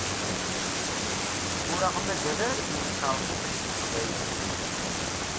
Ur aɣ-mazal ara deg wesxerbubec s teqbaylit.